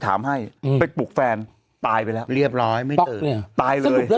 ถามให้อืมไปปลูกแฟนตายไปแล้วเรียบร้อยไม่เติบตายเลยสรุปแล้ว